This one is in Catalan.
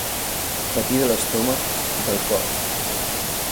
Patir de l'estómac, del cor.